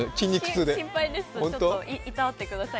心配です、いたわってください。